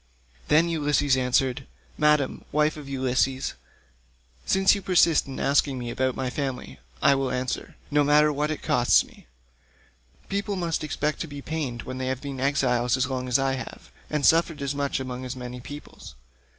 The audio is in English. Then Ulysses answered, "Madam, wife of Ulysses, since you persist in asking me about my family, I will answer, no matter what it costs me: people must expect to be pained when they have been exiles as long as I have, and suffered as much among as many peoples.